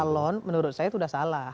calon menurut saya itu sudah salah